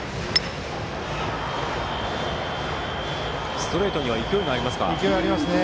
ストレートには勢いがありますか。ありますね。